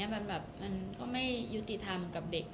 มันก็ไม่ยุติธรรมกับเด็ก